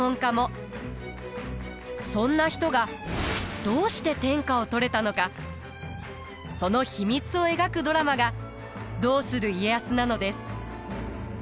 そんな人がどうして天下を取れたのかその秘密を描くドラマが「どうする家康」なのです。